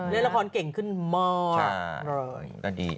แล้วละครเก่งขึ้นมากเลย